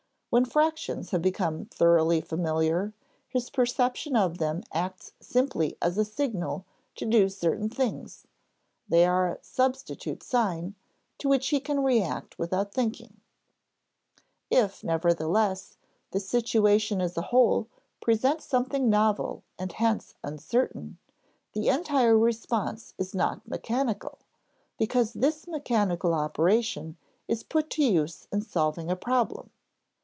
When fractions have become thoroughly familiar, his perception of them acts simply as a signal to do certain things; they are a "substitute sign," to which he can react without thinking. (Ante, p. 178.) If, nevertheless, the situation as a whole presents something novel and hence uncertain, the entire response is not mechanical, because this mechanical operation is put to use in solving a problem.